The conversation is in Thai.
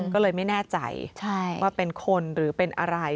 ก็เลยไม่แน่ใจว่าเป็นคนหรือเป็นอะไร